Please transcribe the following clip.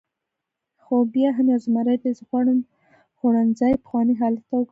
خو بیا هم یو زمري دی، زه غواړم خوړنځای پخواني حالت ته وګرځوم.